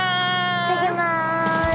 行ってきます。